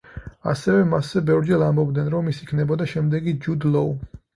ასევე მასზე ბევრჯერ ამბობდნენ, რომ ის იქნებოდა შემდეგი ჯუდ ლოუ.